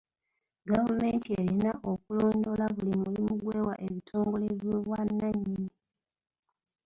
Gavumenti erina okulondoola buli mulimu gw'ewa ebitongole by'obwannannyini.